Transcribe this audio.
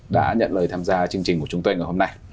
đã nhận lời tham gia chương trình của chúng tôi ngày hôm nay